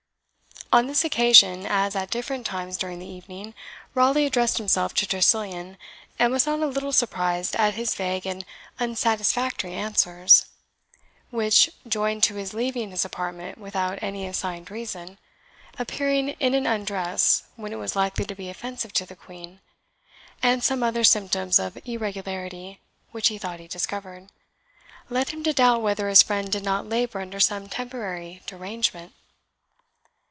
On this occasion, as at different times during the evening, Raleigh addressed himself to Tressilian, and was not a little surprised at his vague and unsatisfactory answers; which, joined to his leaving his apartment without any assigned reason, appearing in an undress when it was likely to be offensive to the Queen, and some other symptoms of irregularity which he thought he discovered, led him to doubt whether his friend did not labour under some temporary derangement.